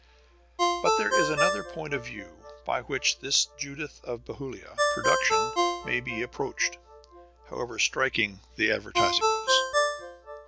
But there is another point of view by which this Judith of Bethulia production may be approached, however striking the advertising notice.